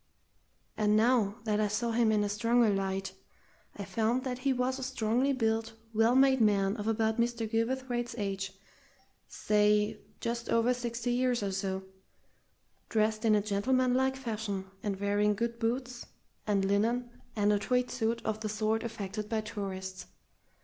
And now that I saw him in a stronger light, I found that he was a strongly built, well made man of about Mr. Gilverthwaite's age say, just over sixty years or so, dressed in a gentlemanlike fashion, and wearing good boots and linen and a tweed suit of the sort affected by tourists.